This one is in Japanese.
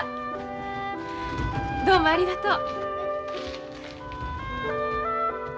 どうもありがとう。